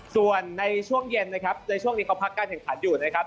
ส่วนในช่วงเย็นนะครับในช่วงนี้เขาพักการแข่งขันอยู่นะครับ